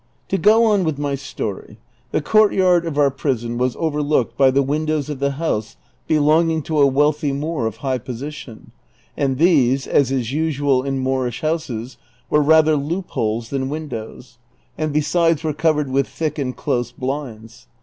To go on with my story ; the courtyard of our prison was over looked by the windows of the house belonging to a wealth}' Moor of high position ; and these, as is usual in Moorish houses, were rather loopholes than windows, and besides were covered with thick and close blinds.